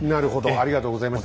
ありがとうございます。